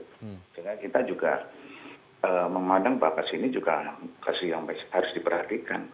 sehingga kita juga memandang bahwa kasus ini juga kasus yang harus diperhatikan